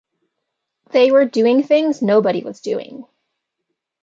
They were doing things nobody was doing.